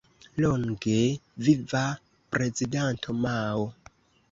Longe Viva Prezidanto Mao!